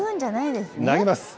投げます。